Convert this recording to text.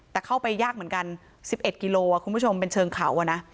แต่เข้าไปยากเหมือนกัน๑๑กิโลคุณผู้ชมเป็นเชิงเขานะ